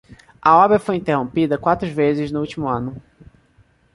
A obra foi interrompida quatro vezes no último ano